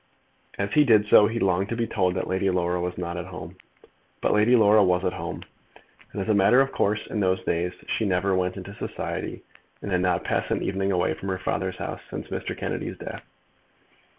As he did so he longed to be told that Lady Laura was not at home. But Lady Laura was at home, as a matter of course. In those days she never went into society, and had not passed an evening away from her father's house since Mr. Kennedy's death.